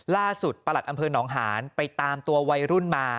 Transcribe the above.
ล่าสุดประหลัดอำเภอนองหานประตรไปตามตัววัยรุ่นมา